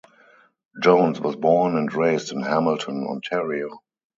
Jones was born and raised in Hamilton, Ontario.